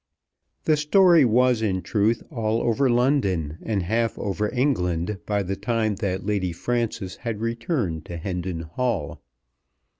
The story was in truth all over London and half over England by the time that Lady Frances had returned to Hendon Hall.